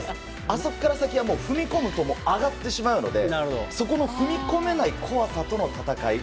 あそこから先は踏み込むと上がってしまうのでそこの踏み込めない怖さとの戦い。